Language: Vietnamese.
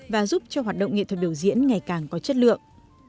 và giúp cho hoạt động nghệ thuật biểu diễn ngày càng có chất lượng